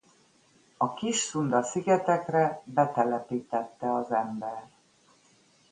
A Kis-Szunda-szigetekre betelepítette az ember.